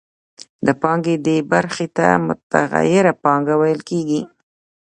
د پانګې دې برخې ته متغیره پانګه ویل کېږي